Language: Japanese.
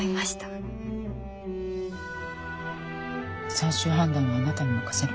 最終判断はあなたに任せる。